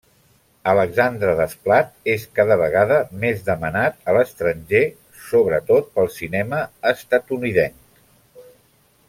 Alexandre Desplat és cada vegada més demanat a l'estranger sobretot pel cinema estatunidenc.